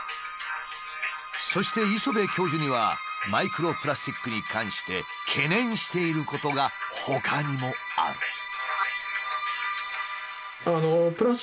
そして磯辺教授にはマイクロプラスチックに関して懸念していることがほかにもある。